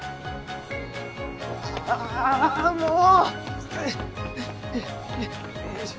あもう！